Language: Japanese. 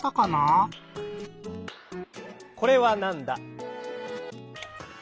「これはなんだ？」。